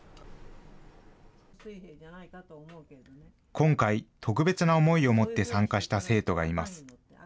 今回、特別な思いを持って参加した生徒がいます。